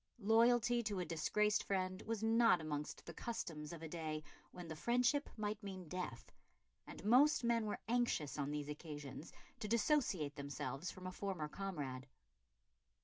Loyalty to a disgraced friend was not amongst the customs of a day when the friendship might mean death, and most men were anxious, on these occasions, to dissociate themselves from a former comrade.